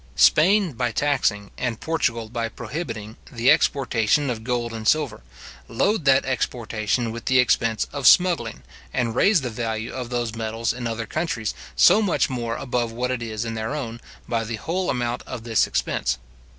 Spain by taxing, and Portugal by prohibiting, the exportation of gold and silver, load that exportation with the expense of smuggling, and raise the value of those metals in other countries so much more above what it is in their own, by the whole amount of this expense.